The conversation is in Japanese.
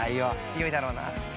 強いだろうな。